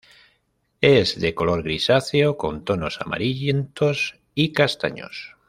Es de color grisáceo con tonos amarillentos y castaños.